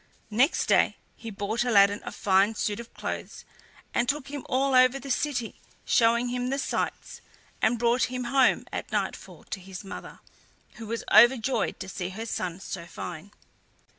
Next day he bought Aladdin a fine suit of clothes and took him all over the city, showing him the sights, and brought him home at nightfall to his mother, who was overjoyed to see her son so fine.